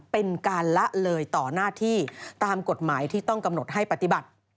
เป็นการละเลยต่อหน้าที่ตามกฎหมายที่ต้องกำหนดให้ปฏิบัติ